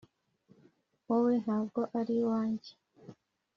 wowe, ntabwo ari uwanjye.